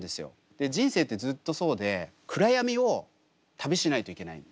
で人生ってずっとそうで暗闇を旅しないといけないんですね。